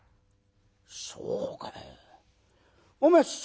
「そうかい。